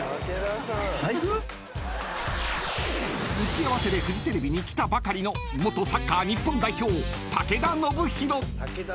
［打ち合わせでフジテレビに来たばかりの元サッカー日本代表］